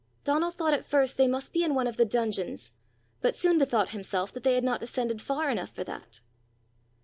Donal thought at first they must be in one of the dungeons, but soon bethought himself that they had not descended far enough for that.